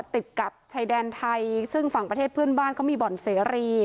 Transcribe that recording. ติดกับชายแดนไทยซึ่งฝั่งประเทศเพื่อนบ้านเขามีบ่อนเสรี